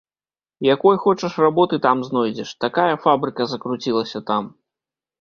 Якой хочаш работы там знойдзеш, такая фабрыка закруцілася там!